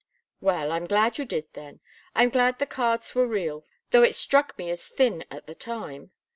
"Well I'm glad you did, then. I'm glad the cards were real, though it struck me as thin at the time.